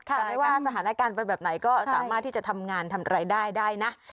แต่ไม่ว่าสถานการณ์เป็นแบบไหนก็สามารถที่จะทำงานทำรายได้ได้นะ